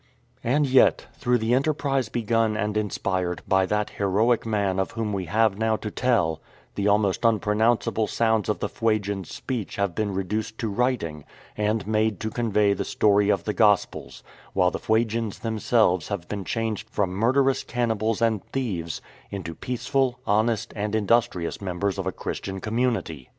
And yet, through the enterprise begun and inspired by that heroic man of whom we have now to tell, the almost unpronounceable sounds of the Fuegian speech have been reduced to writing and made to convey the story of the Gospels, while the Fuegians themselves have been changed from murderous cannibals and thieves into peaceful^ honest, and industrious members of a Christian com munity.